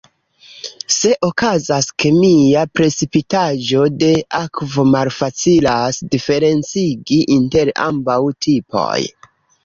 Se okazas kemia precipitaĵo de akvo malfacilas diferencigi inter ambaŭ tipoj.